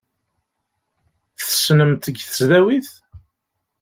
Tessnem-t deg tesdawit?